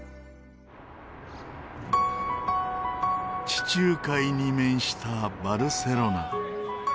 地中海に面したバルセロナ。